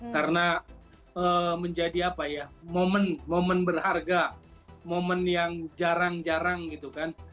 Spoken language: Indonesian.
karena menjadi apa ya momen berharga momen yang jarang jarang gitu kan